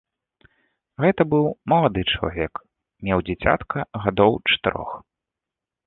Гэта быў малады чалавек, меў дзіцятка гадоў чатырох.